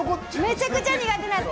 めちゃくちゃ苦手なんです。